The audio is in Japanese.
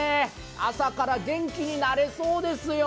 朝から元気になれそうですよ。